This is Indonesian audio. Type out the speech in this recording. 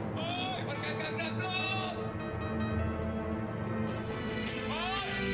buat kerenang dut